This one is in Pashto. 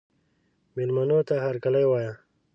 مېلمنو ته هرکلی وایه.